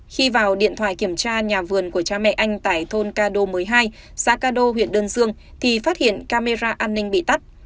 khi vào điện thoại kiểm tra nhà vườn của cha mẹ anh tại thôn cado một mươi hai xã cado huyện đơn dương thì phát hiện camera an ninh bị tắt